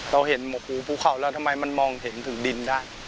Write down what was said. เราเห็นหมกหูภูเขาแล้วทำไมมันมองเห็นถึงดินได้